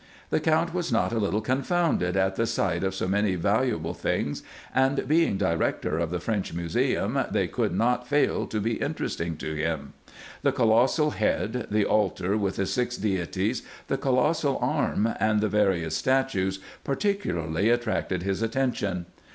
The Count was not a little confounded at the sight of so many valuable things ; and being Director of the French Museum, they could not fail to be interesting to him. The colossal head, the altar with the six deities, the colossal arm, and the various statues, particularly attracted his attention.